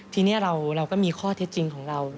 ทีนี้เราก็มีข้อเท็จจริงของเรา